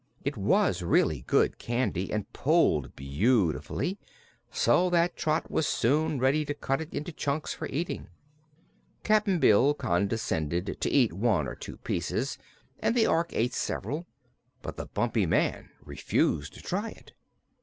It was really good candy and pulled beautifully, so that Trot was soon ready to cut it into chunks for eating. Cap'n Bill condescended to eat one or two pieces and the Ork ate several, but the Bumpy Man refused to try it.